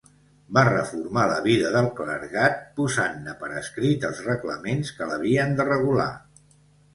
Va reformar la vida del clergat, posant-ne per escrit els reglaments que l'havien de regular.